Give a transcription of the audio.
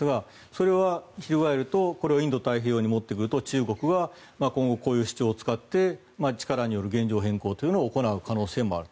それは翻るとインド太平洋に持ってくると中国は今後こういう主張を使って力による現状変更を行う可能性もある。